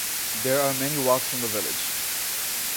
There are many walks from the village.